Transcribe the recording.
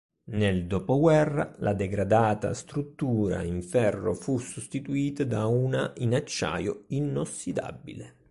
Nel dopoguerra la degradata struttura in ferro fu sostituita da una in acciaio inossidabile.